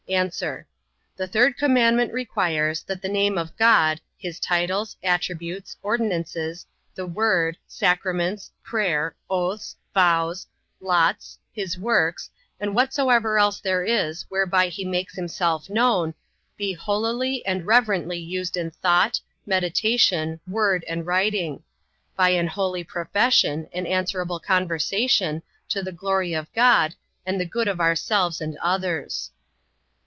A. The third commandment requires, that the name of God, his titles, attributes, ordinances, the word, sacraments, prayer, oaths, vows, lots, his works, and whatsoever else there is whereby he makes himself known, be holily and reverently used in thought, meditation, word, and writing; by an holy profession, and answerable conversation, to the glory of God, and the good of ourselves, and others.